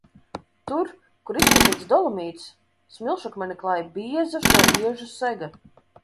Tur, kur izplatīts dolomīts, smilšakmeni klāj bieza šo iežu sega.